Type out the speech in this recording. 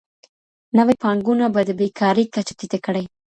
نوي پانګونه به د بیکارۍ کچه ټیټه کړي.